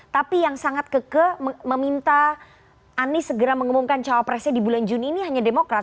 tapi yang sangat keke meminta anies segera mengumumkan cawapresnya di bulan juni ini hanya demokrat